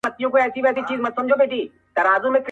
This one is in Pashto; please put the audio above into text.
o اوس بقا د ژوند په دوو ژبو نغښتې,